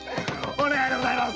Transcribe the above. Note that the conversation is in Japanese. お願いでございます‼